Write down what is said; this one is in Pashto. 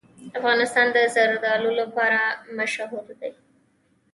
افغانستان د زردالو لپاره مشهور دی.